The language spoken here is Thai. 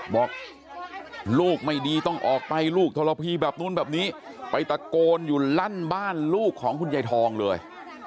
บอกลูกไม่ดีต้องออกไปลูกทรพีแบบนู้นแบบนี้ไปตะโกนอยู่ลั่นบ้านลูกของคุณยายทองเลย